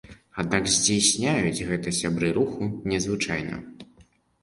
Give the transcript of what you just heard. Аднак здзяйсняюць гэта сябры руху незвычайна.